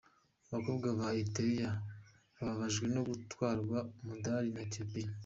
Abakobwa ba Erythrea bababajwe no gutwarwa umudali na Ethiopia .